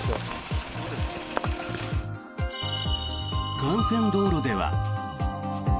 幹線道路では。